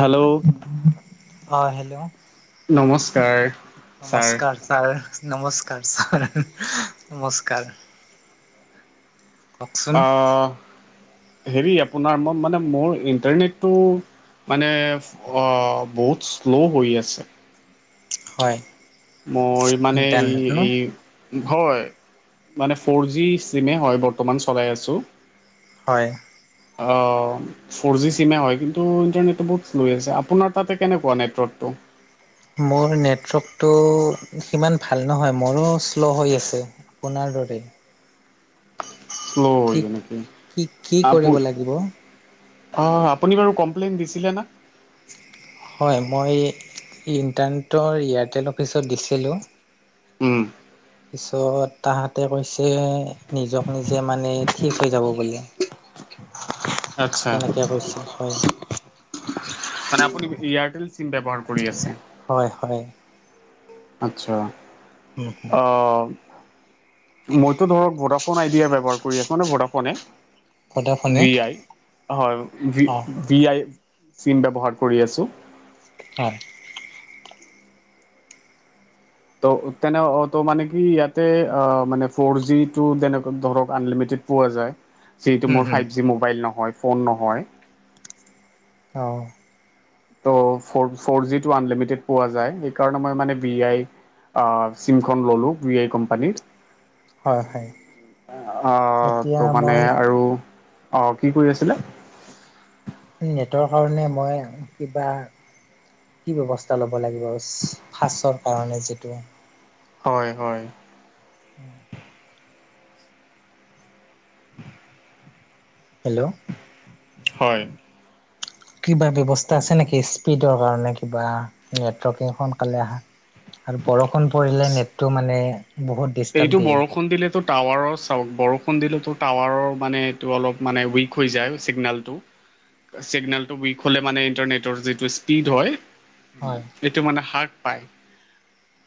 Hello অ hello. নমস্কাৰ sir. নমস্কাৰ ছাৰ নমস্কাৰ ছাৰ নমস্কাৰ কওকচোন হেৰি আপোনাৰ মই মানে মোৰ ইণ্টাৰনেটটো মানে অহ বহুত শ্ল' হৈ আছে। হয়। মোৰ মানে ইণ্টাৰনেট ন এই হয়, মানে ফ'ৰ জি চিমে হয় বৰ্তমান চলাই আছোঁ। হয়। অ' ফ'ৰ জি চিমে হয় কিন্তু ইণ্টাৰনেটটো বহুত লৈ আছে আপোনাৰ তাতে কেনেকুৱা নেটৱৰ্কটো। হয়। মোৰ নেটৱৰ্কটো সিমান ভাল নহয় মোৰো শ্ল' হৈ আছে। অপোনাৰ? মৰে [unintelligible] শ্ল' হয় ই নেকি কি কি আপু কৰিব লাগিব অ' আপুনি বাৰু কমপ্লেইন দিছিলে না। হয়, মই ইণ্টাৰনেটৰ এয়াৰটেল অফিচত দিছিলোঁ। উম, পিছত তাহাঁতে কৈছে নিজক নিজে মানে ঠিক হৈ যাব বুলি। [inaudible] আচ্ছাঁ তেনেকৈ কৈছে হয় মানে আপনি এয়াৰটেল চিম ব্যৱহাৰ কৰি আছে। হয়-হয়। আচ্ছা, অহ মইতো ধৰক ভদাফোণ। ফোন আই দিয়া ব্যৱহাৰ কৰি আছ ন ভডাফোনে। সদায় ফোনে ভি আই হয় অ ভি আই। চিম ব্যৱহাৰ কৰি আছো। হয়। ত' নে মানে কি ইয়াতে মানে ফৰ জি টো দে ধৰক আললিমিটেড। পোৱা যায় যিটো হুম মোৰ হুম। ফাইভ জি মোবাইল নহয় ফোন নহয়। অ', ত' ফৰ জিটো আনলিমিটেড পোৱা যায় সেইকাৰণে মই মানে ভি আই, চিমখন ল'লোঁ ভি আই কোম্পানীৰ। হয় হয় অহ এতিয়া তো মানে মই আৰু। অ' কি কৰি আছিলে? নেটৰ কাৰণে মই কিবা। কি ব্যৱস্থা ল'ব লাগিব ফাঁচৰ কাৰণে যিটো। হয়-হয়। অ, [inaudible] হেল্ল', হয়। কিবা ব্যৱস্থা আছে নেকি স্পীডৰ কাৰণে কিবা নেটৱৰ্কিং সোনকালে আহা। আৰু বৰষুণ পৰিলে নেটটো মানে বহুত ডিষ্টাৰ্ব এইটো দিয়ে বৰষুণ দিলেতো টাৱাৰৰ চাওক বৰষুণ দিলে। টো টাৱাৰৰ মানে এইটো অলপ মানে উইক হৈ যায় চিগনেলটো। চিগনেলটো উইক হ'লে মানে ইণ্টাৰনেটৰ যিটো স্পীড হয়। হয় এইটো মানে হ্ৰাস পায়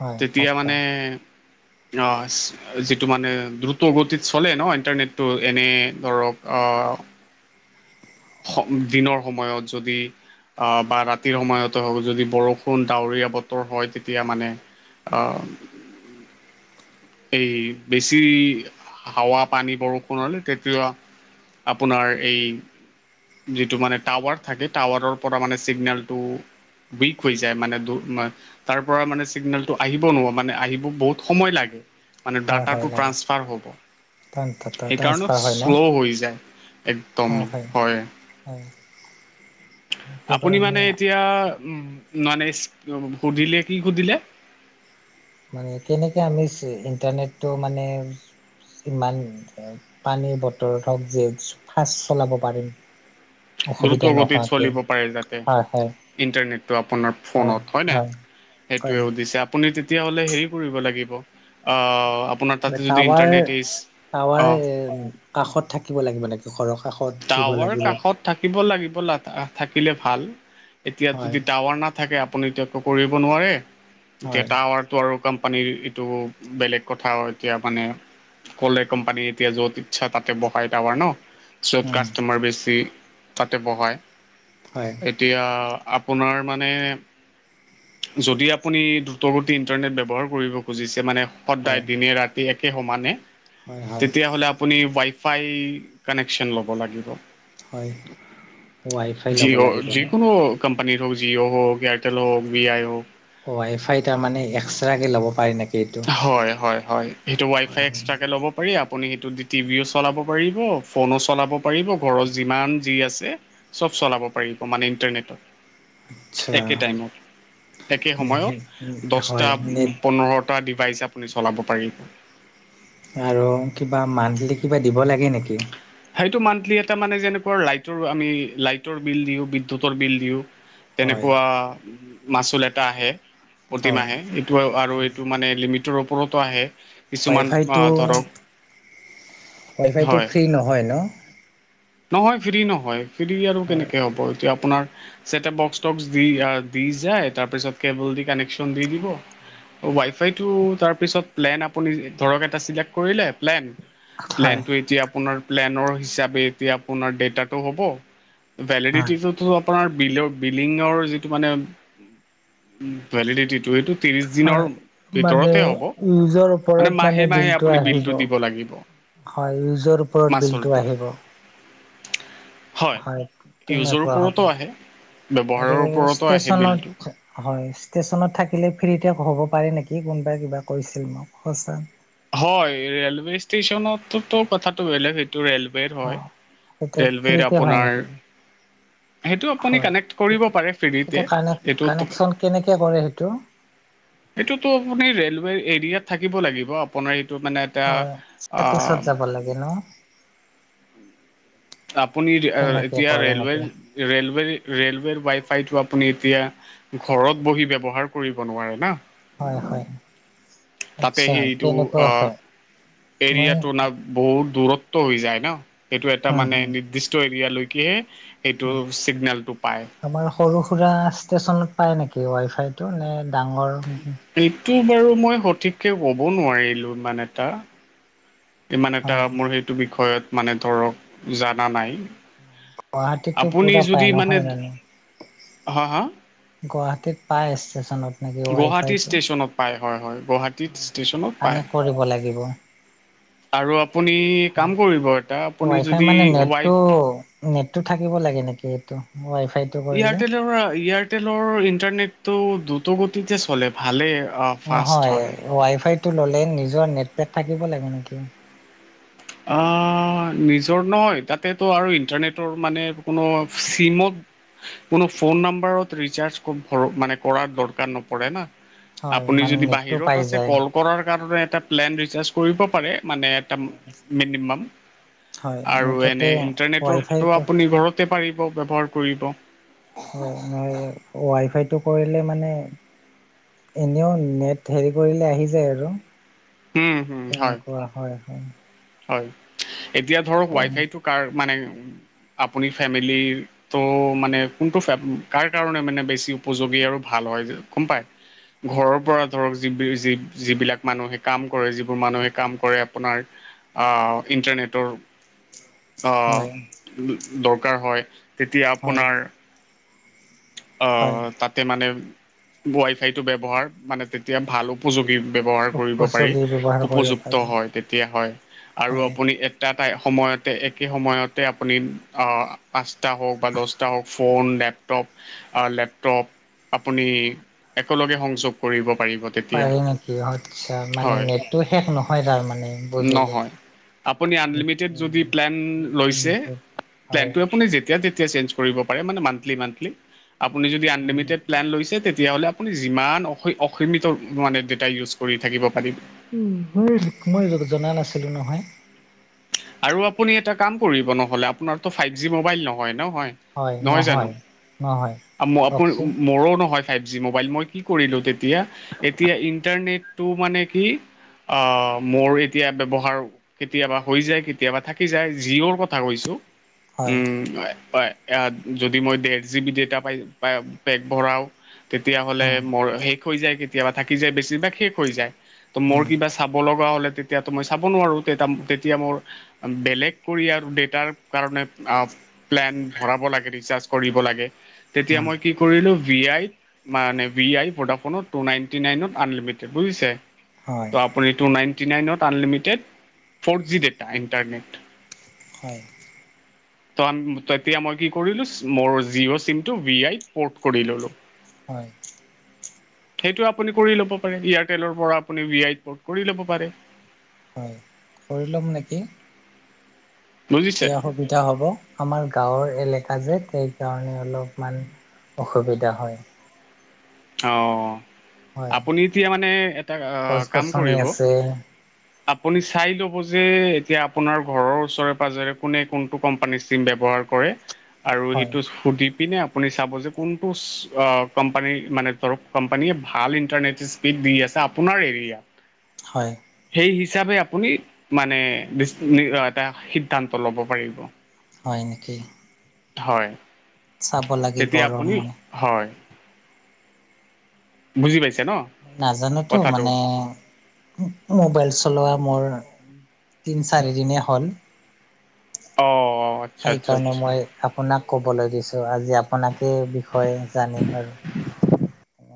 হয় হাত তেতিয়া মানে। পায় অ' যিটো মানে দ্ৰুত গতিত চলে ন ইন্টাৰনেটটো এনে ধৰক অ', অ', দিনৰ সময়ত যদি আহ বা ৰাতিৰ সময়তে হওক যদি বৰষুণ ডাৱৰীয়া বতৰ হয় তেতিয়া মানে অ', এই বেছি হাৱা পানী বৰষুণ হলে তেতিয়া, আপোনাৰ এই, যিটো মানে টাৱাৰ থাকে টাৱাৰৰ পৰা মানে চিগনেলটো। উইক হৈ যায় মানে দূৰ তোমাৰ, তাৰ পৰা মানে চিগনেলটো আহিব নোৱা মানে আহিব বহুত সময় লাগে। মানে হয় হয় ডাটাটো লাগে ট্ৰান্সফাৰ হ'ব। সেইকাৰণো ট্ৰান্সফাৰ হয় ন শ্ল' হৈ যায়, একদম হয়। হয় সেইটো আপুনি মানে কাৰণে এতিয়া উম মানে সুধিলে কি সুধিলে? মানে কেনেকে আমি চি ইণ্টাৰনেটটো মানে ইমান পানীৰ বতৰত হওঁক যেওচ ফাচ চলাব পাৰিম? দ্ৰুত অসুবিধা গতিত নোহোৱাকে চলিব পাৰে যাতে হয় হয় ইণ্টাৰনেটটো আপোনাৰ ফোনত, হয় নাই? হয় সেইটোৱে সুধিছে, আপুনি তেতিয়া হ'লে হেৰি কৰিব লাগিব আহ্ মানে, টাৱাৰ টাৱাৰ অঁ এ কাষত থাকিব লাগিব নেকি সৰহ? টাৱাৰ কাষত থাকিব লাগিব লা তা থাকিলে ভাল। এতিয়া হয় যদি টাৱাৰ নাথাকে, আপুনি এতিয়া একো কৰিব নোৱাৰে, এতিয়া হয় টাৱাৰ টো আৰু কম পানীৰ ইটো বেলেগ কথা আও এতিয়া মানে ক'লে কোম্পানী এতিয়া য'ত ইচ্ছা তাতে বহাই তাৱাৰ ন। য'ত উম কাষ্টমাৰ বেছি তাতে বহায়। হয় এতিয়া আপোনাৰ মানে যদি আপুনি দ্ৰুত গতিত ইন্টাৰনেট ব্যৱহাৰ কৰিব খুজিছে মানে হয় সদদায় দিনে ৰাতি একে সমানে, হয় হয় তেতিয়া হ'লে আপুনি ৱাই ফাই কানেক কচন ল'ব লাগিব। হয়, ৱাই ফাই ল'ব লাগিব ন। কম্পানীৰ হ'ক, জিঅ' হক, এয়াৰটেল হক, বি আই' হক, ৱাই ফাই তাৰ মানে এক্সচাৰাকে ল'ব পাৰি নেকি? এইটো হয়-হয়-হয়, সেইটো ৱাই হয় ফাই হয় এষ্ট্ৰাকে ল'ব পাৰি আৰ আপুনি সেইটো টিভিও চলাব পাৰিব ফোনো চলাব পাৰিব ঘৰৰ যিমান যি আছে, চব চলাব পাৰিব মানে ইণ্টাৰনেটত। আচ্ছা একে টাইমত একে সময়ত দহটা হয় নেট পোন্ধৰ পৰা ডিভাইচ আপুনি চলাব পাৰিব। আৰু কিবা মান্থলি কিবা দিব লাগে নেকি? সেইটো মান্থলি এটা মানে যেনেকুৱা লাইটৰ আমি লাইটৰ বিল দিওঁ বিদ্যুতৰ বিল দিওঁ। হয় তেনেকুৱা মাচুল এটা আহে। হয় প্ৰতিমাহে এইটো আৰু এইটো মানে লিমিটৰ ওপৰতো আহে। ৱাই কিছুমান ফাইটো আহ ধৰক ৱাই ফাইটো হয়। ফ্ৰী নহয় ন? নহয় ফ্ৰী নহয় ফ্ৰী আৰু হয় কেনেকে হ'ব এতিয়া আপু আপোনাৰ চেটাপ বক্স টক্স দি দি যায়, তাৰপিছত কেবল দি কানেকচন দি দিব। ৱাইফাইটো তাৰপিছত প্লেন আপুনি ধৰক এটা চিলেক্ট কৰিলে প্লেন। হয় প্লেনটো এতিয়া আপোনাৰ প্লেনৰ হিচাপে এতিয়া আপোনাৰ ডেটাটো হ'ব। হয় ভেলিডিটিটোতো আপোনাৰ বিলৰ বিলিঙৰ যিটো মানে ভেলিডিটি। এইটো ত্ৰিশ দিনৰ হয় মানে ভিতৰতে হ'ব ইউজৰ মানে ওপৰত মাহে-মাহে আপুনি আহিব। বিলটো দিব লাগিব। হয় ইউজৰ ওপৰত বিলটো মাচুলটো আহিব। হয় ইউজৰ তেনেকুৱা হ'ব। ওপৰতো আহে ব্যৱহাৰৰ আৰু ওপৰতো আহে বিলটো ষ্টেচনত হয়। ষ্টেশচনত থাকিলে ফ্ৰীতে হ'ব পাৰে নেকি কোনোবাই কিবা কৰিছিল মোক সঁচা। হয় ৰেলৱে ষ্টেচনতোতো কথাটো বেলেগ সেইট টো ৰেলৱেৰ অ হয় সেইটো ৰেলৱেৰ ফ্ৰীতে হয় আপোনাৰ নেকি? সেইটো আপুনি হয় কানেকট কৰিব সেইটো পাৰে সেইটো ফ্ৰীতে কানেক সেটোত কানেকচন কেনেকে কৰে সেইটো এইটোতো আপুনি ৰেলৱে এৰিয়াত থাকিব লাগিব আপোনাৰ এইট টো মানে এটা হয় আ ষ্টেটাছত যাব লাগে ন আপুনি কেনেকে এতিয়া কৰে এনেকে ৰেলৱেৰ ৰেলে ৰেলৱেৰ ৱাই ফাইটো আপুনি এতিয়া ঘৰত বহি ব্যৱহাৰ কৰিব নোৱাৰে না। হয় হয় হয়। তাতে আচ্ছা সেইটো তেনেকুৱা অ মই এৰিয়াটো না বহুত দূৰত হৈ যায় ন সেইটো এটা হম মানে হম নিৰ্দিষ্ট এৰিয়া লৈকেহে আমাৰ সৰু সুৰা ষ্টেচনত পায় নেকি ৱাইফাইটো নে ডাঙৰ এইটো বাৰু মই সঠিককে কব নোৱাৰিলো ইমান এটা। ইমান এটা হয় মোৰ সেইটো বিষয়ত মানে ধৰক জানা নাই। গুৱাহাটীতো আপুনি পুৰা পায় যদি নহয় মানে জানো। হা হা গুৱাহাটীত পাই আছে। গুৱাহাটী ষ্টেশচনত পায় হয় হয় গুৱাহাটী ষ্টেচনত পায়। কানেক্ট কৰিব লাগিব আৰু আপুনি কাম কৰিব এটা আপুনি ৱাই ফাই যদি মানে ৱাইফ নেটটো নেটটো থাকিব লাগে নেকি এইটো ৱাইফাই এয়াৰটেলৰ এয়াৰটেলৰ ইণ্টাৰনেটটো দ্ৰত গতিতে চলে ভালে নহয় ৱাই ফাইটো ল'লে নিজৰ নেট পেট থাকিব লাগে নেকি? অ', অ' নিজৰ নহয় তাতেতটো আৰু ইন্টাৰনেটৰ মানে কোনো চিমত কোনো ফোন নাম্বাৰতৰিচাৰ্জ মান কৰাৰ দৰকাৰ ন পৰে ন। হয় আপুনি মানে যদি নেটটো বাহিৰত পাই আছে যায় কল কৰাৰ কাৰণে এটা প্লেন ৰিচাৰ্জ কৰিব পাৰে মানে এটা মিনিমাম হয় আৰু মুঠতে এনে ৱাই ফাই ইন্টাৰনেটৰটো হয় আপুনি বহুতে পাৰিব ব্যৱহাৰ কৰিব। হয় ম ৱাই ফাইটো কৰিলে মানে এনেও নেট হেৰি কৰিলে আহি যায় আৰু উম, হুম, হয়, তেনেকুৱা হয় হয়। হয় এতিয়া ধৰক ৱাই ফাইটো কাৰ মানে আপুনি ফেমিলি তো মানে কোনটো কাৰ কাৰণে মানে বেছি উপযোগী আৰু ভাল হয় হয় গম পাই। ঘৰৰ পৰা ধৰক য য যিবিলাক মানুহে কাম কৰে যিবোৰ মানুহে কাম কৰে আপোনাৰ আহ ইন্টাৰনেটৰ হয় আহ দৰকাৰ হয়। তেতিয়া হয় আপোনাৰ হয় অ', তাতে মানে ৱাই ফাইতটো ব্যৱহাৰ মানে তেতিয়া ভাল উপযোগ ব্যবহাৰ কৰিব পাৰি উপযোগী ব্যৱহাৰ কৰিব উপযুক্ত পাৰি হয় তেতিয়া হয় আৰু হয় আপুনি [unintelligible] তাই সময়তে একে সময়তে আপুনি পাঁচটা হওক বা দহটা হওক ফোন ডেপ তপ অ লেপতপ আপুনি একেলগে সংযোগ কৰিব পাৰিব তেতিয়া পাৰি নেকি আচ্ছা মানে হয় নেটটো শেষ নহয় তাৰ মানে বুজিলো। নহয় আপুনি আনলিমিটেড যদি প্লেন লৈছে তে হয় যেতিয়া তেতিয়া চেঞ্জ কৰিব পাৰে মানে মানথলী আপুনি যদি আনলিমিটেড প্লেন লৈছে তে তেতিয়াহ'লে আপুনি যিমান অস অসীমিত মানে ডেটা ইউজ কৰি থাকিব পাৰি। উ মই জনা নাছিলো নহয়। আৰু আপুনি এটা কাম কৰিব নহলে আপোনাৰ ফাইভ জি মবাইল নহয় নহ হয় নহয় জানো? নহয় [unintelligible] কওকচোন মোৰো নহয় ফাইবজি মোবাইল মই কি কৰিলোঁ তেতিয়া। এতিয়া ইণ্টাৰনেট টো এতিয়া মানে কি অহ মোৰ এতিয়া ব্য্ৱহাৰ কেতিয়াবা হৈ যায় কেতিয়াবা থাকি যায় যিৰ কথা কৈছো। হয় উম হয় হয় যদি মই জিপিটি ভৰাও তেতিয়াা হ'লে উম মোৰ হৈ যায় কেতিয়াবা থাকি যায় বেছিভাগ শেষ হৈ যায় ত' মোৰ উম কিবা চাব লগা। কিবা হ'লে মই চাব নোৱাৰো তেতিয়া মোৰ বেলেগ কৰি আৰু তেতিয়া কাৰণে অ' প্লেন ভৰাব লাগে ৰিচাৰজ কৰিব লাগে তেতিয়া উম মই কি কৰিলো ভি আইত মানে ভি আই প্ৰডাকশনত টু নাইনটি নাইনত আনলিমিটেড বুজিছে। হয় ত' আপুনি টু নাইনটি নাইনত unlimited four G data internet হয় ত তেতিয়া মই কি কৰিলো মোৰ জিঅ' চিমটো ভ আই পৰ্ট কৰি ললো হয়। সেইটো আপুনি কৰি ল'ব পাৰে এয়াৰটেলৰ পৰা আপুনি ভি আই কৰি ল'ব পাৰে হয় কৰি ল'ম নেকি? বুজিছে। এতিয়া সুবিধা হব আমাৰ গাঁৱৰ এলেকা কাজে সেইকাৰণে অলপমান অসুবিধা হয়। অ' হয় আপুনি এতিয়া মানে এটা গছ কাম গছনি কৰিব। আছে আপুনি চাই লব যে এতিয়া আপোনাৰ ঘৰৰ ওচৰে পাজৰে কোনে কোনটো কোম্পানীৰ চিম ব্যবহাৰ হয় পিনে আপুনি চাব যে কোনটো কোম্পানী মানে ধৰ কোম্পানীয়ে ভাল ইন্টাৰনেট স্পীড দি আছে আপোনাৰ এৰিয়াত, হয়। এই হিচাবে আপুনি মানে এটা সিদ্ধান্ত ল'ব পাৰিব হয় নেকি? হয় চাব লাগিব তেতিয়া ৰ আপুনি মই হয় বুজি পাইছো। নাজানোতো মানে, মোবাইল চলোৱা মোৰ তিনি চাৰিদিনেই হ'ল, অ' আচ্ছা সেই আচ্ছা কাৰণে আচ্ছা মই আপোনাক, ক'বলৈ দিছোঁ আজি আপোনাকেই বিষয়ে জানিম আৰু